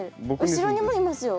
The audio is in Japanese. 後ろにもいますよ。